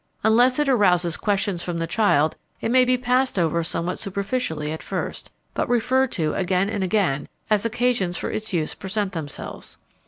Unless it arouses questions from the child it may be passed over somewhat superficially at first, but referred to again and again as occasions for its use present themselves.